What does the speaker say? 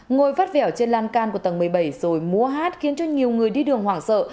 ngồi vắt vẻo trên lan can của tầng một mươi bảy rồi múa hát khiến cho nhiều người đi đường hoảng sợ